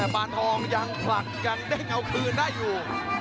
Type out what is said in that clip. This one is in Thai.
ปานทองยังผลักยังเด้งเอาคืนได้อยู่